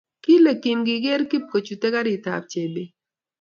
Kile Kim kigeer kip kochute garitab chebet